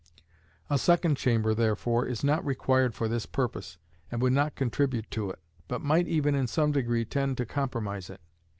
A second Chamber, therefore, is not required for this purpose, and would not contribute to it, but might even, in some degree, tend to compromise it.